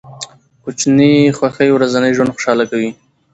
کوچني خوښۍ ورځنی ژوند خوشحاله کوي.